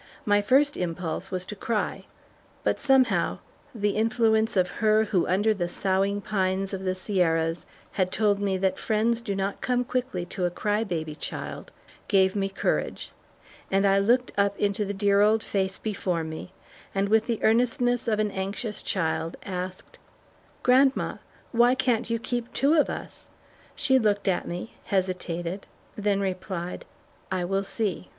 My first impulse was to cry, but somehow, the influence of her who under the soughing pines of the Sierras had told me that "friends do not come quickly to a cry baby child" gave me courage, and I looked up into the dear old face before me and with the earnestness of an anxious child asked, "Grandma, why can't you keep two of us?" She looked at me, hesitated, then replied, "I will see."